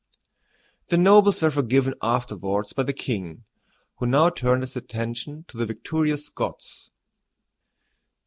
The nobles were forgiven afterwards by the king, who now turned his attention to the victorious Scots.